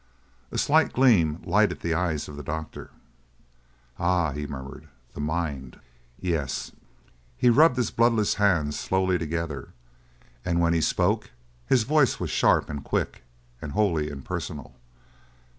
A slight gleam lighted the eyes of the doctor. "Ah," he murmured. "The mind?" "Yes." He rubbed his bloodless hands slowly together, and when he spoke his voice was sharp and quick and wholly impersonal.